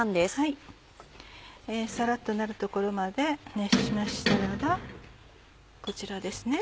サラっとなるところまで熱しましたらばこちらですね